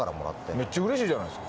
めっちゃうれしいじゃないですか。